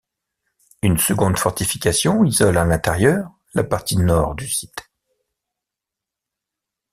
Une seconde fortification isole à l'intérieur la partie nord du site.